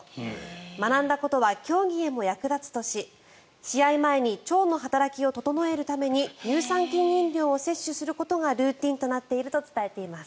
学んだことは競技へも役立つとし試合前に腸の働きを整えるために乳酸菌飲料を摂取することがルーティンと伝えています。